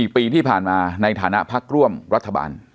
๔ปีที่ผ่านมาในฐานะพักร่วมรัฐบาล